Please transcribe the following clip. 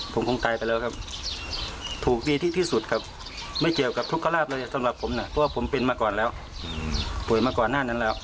เพราะว่ามันเป็นมานาน